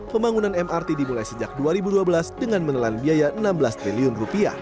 pembangunan mrt dimulai sejak dua ribu dua belas dengan menelan biaya rp enam belas triliun